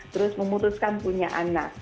terus memutuskan punya anak